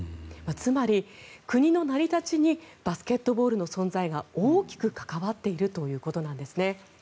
つまり国の成り立ちにバスケットボールの存在が大きく関わっているということなんですね。